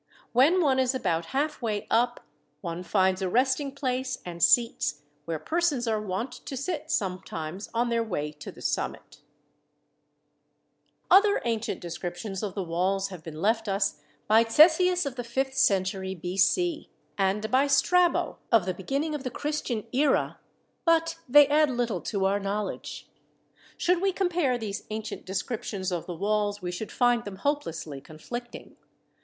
When one is about halfway up, one finds a resting place and seats, where persons are wont to sit sometimes on their way to the summit. (Book L, chapters 178 181.) Other ancient descriptions of the walls have been left us by Ctesias of the fifth century B.C., and by Strabo of the beginning of the Christian era, but they add little to our knowledge. Should we compare these ancient descriptions of the walls, we should find them hopelessly conflicting.